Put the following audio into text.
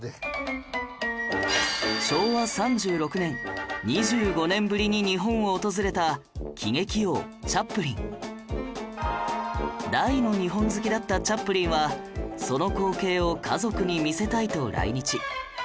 昭和３６年２５年ぶりに日本を訪れた喜劇王チャップリン大の日本好きだったチャップリンはその光景を家族に見せたいと来日